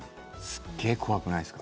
すっげえ怖くないですか？